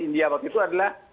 india waktu itu adalah